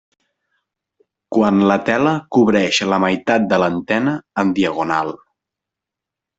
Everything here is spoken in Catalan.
Quan la tela cobreix la meitat de l’antena en diagonal.